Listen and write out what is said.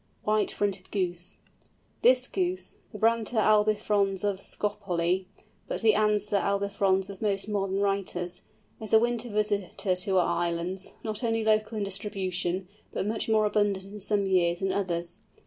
WHITE FRONTED GOOSE. This Goose, the Branta albifrons of Scopoli, but the Anser albifrons of most modern writers, is a winter visitor to our islands, not only local in distribution, but much more abundant in some years than others.